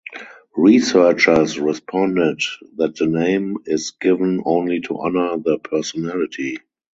Researchers responded that the name is given only to honor the personality.